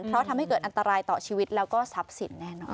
เพราะทำให้เกิดอันตรายต่อชีวิตแล้วก็ทรัพย์สินแน่นอน